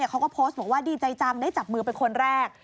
เขาก็โพสต์บอกว่าดีใจจังได้จับมือเป็นคนแรก